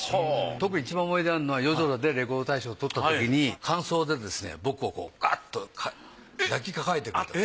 特にいちばん思い出あるのは『夜空』でレコード大賞取ったときに間奏で僕をこうガッと抱きかかえてくれたの。